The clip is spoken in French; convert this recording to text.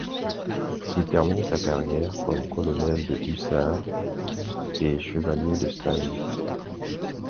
Il termine sa carrière comme colonel de hussards et chevalier de St-Louis.